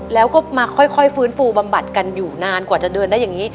แล้วก็มาค่อยฟื้นฟูบำบัดกันอยู่นานกว่าจะเดินได้อย่างนี้